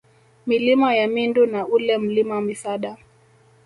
Milima ya Mindu na ule Mlima Misada